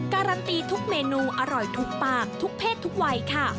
การันตีทุกเมนูอร่อยทุกปากทุกเพศทุกวัยค่ะ